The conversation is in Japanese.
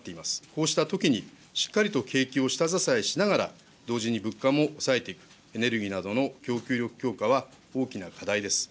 こうしたときに、しっかりと景気を下支えしながら、同時に物価も抑えていく、エネルギーなどの供給力強化は、大きな課題です。